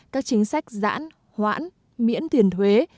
các chính sách giãn hoãn miễn tiền thuế